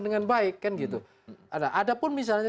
dengan baik ada pun misalnya